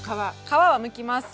皮はむきます。